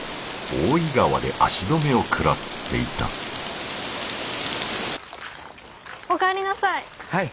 大井川で足止めを食らっていたお帰りなさい。